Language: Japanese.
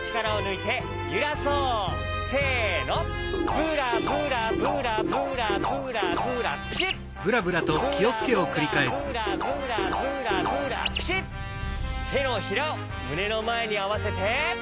てのひらをむねのまえにあわせて。